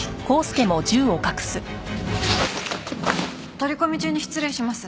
取り込み中に失礼します。